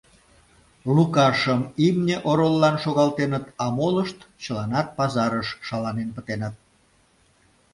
Лукашым имне ороллан шогалтеныт, а молышт чыланат пазарыш шаланен пытеныт.